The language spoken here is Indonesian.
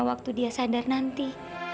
waktu dia sadar nanti